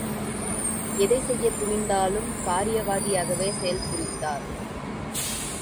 எதைச் செய்யத் துணிந்தாலும் காரியவாதியாகவே செயல் புரித்தார்!